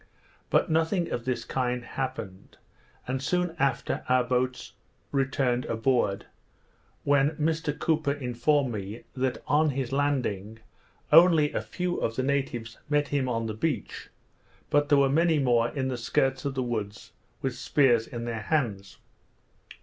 But nothing of this kind happened; and soon after our boats returned aboard, when Mr Cooper informed me, that, on his landing, only a few of the natives met him on the beach, but there were many in the skirts of the woods with spears in their hands.